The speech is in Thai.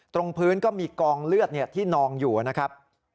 ตรงพื้นก็มีกองเลือดที่นองอยู่นะครับ